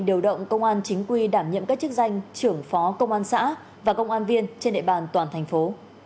điều động công an chính quy đảm nhiệm các chức danh trưởng phó công an xã và công an viên trên địa bàn toàn thành phố